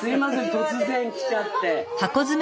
突然来ちゃって。